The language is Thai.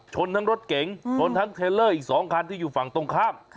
ชนทั้งรถเก๋งชนทั้งเทลเลอร์อีก๒คันที่อยู่ฝั่งตรงข้าม